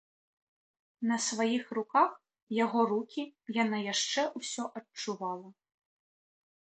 На сваіх руках яго рукі яна яшчэ ўсё адчувала.